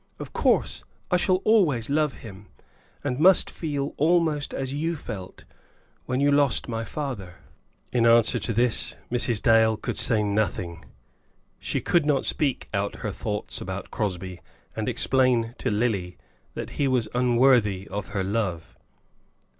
Of course I shall always love him, and must feel almost as you felt when you lost my father." In answer to this Mrs. Dale could say nothing. She could not speak out her thoughts about Crosbie, and explain to Lily that he was unworthy of her love.